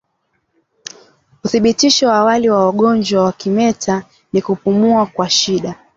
Uthibitisho wa awali wa ugonjwa wa kimeta ni kupumua kwa shida